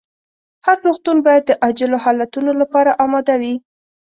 هر روغتون باید د عاجلو حالتونو لپاره اماده وي.